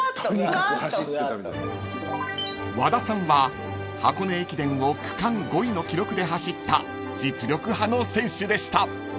［和田さんは箱根駅伝を区間５位の記録で走った実力派の選手でした］